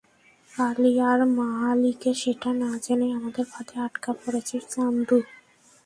কালি আর মাহালি কে, সেটা না জেনেই আমাদের ফাঁদে আটকা পড়েছিস, চান্দু।